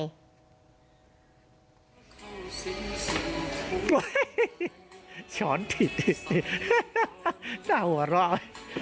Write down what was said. โอ๊ยช้อนติดต้าหัวเราะ